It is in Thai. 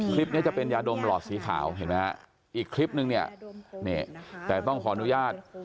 คลิปนี้จะเป็นยาดมหลอดสีขาวอีกคลิปนึงแต่ต้องขออนุญาต